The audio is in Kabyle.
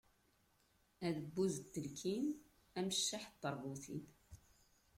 Adebbuz n telkin, ameccaḥ n teṛbutin.